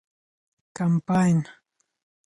کمپاین